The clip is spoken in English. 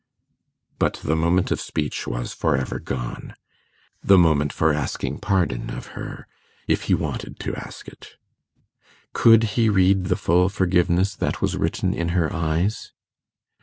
But the moment of speech was for ever gone the moment for asking pardon of her, if he wanted to ask it. Could he read the full forgiveness that was written in her eyes?